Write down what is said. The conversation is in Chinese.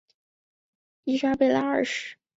伊莎贝拉二世。